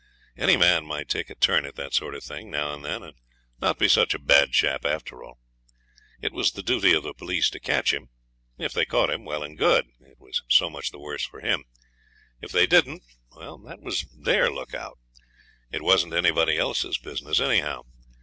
Any man might take a turn at that sort of thing, now and then, and not be such a bad chap after all. It was the duty of the police to catch him. If they caught him, well and good, it was so much the worse for him; if they didn't, that was their look out. It wasn't anybody else's business anyhow.